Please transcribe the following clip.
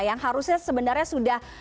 yang harusnya sebenarnya sudah